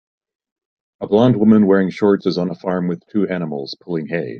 A blond woman wearing shorts is on a farm with two animals, pulling hay.